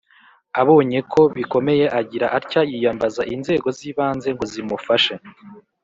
abonye ko bikomeye agira atya yiyambaza inzego zibanze ngo zimufashe